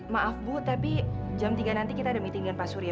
maaf bu tapi jam tiga nanti kita ada meeting dengan pak surya bu